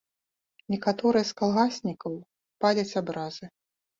Некаторыя з калгаснікаў паляць абразы.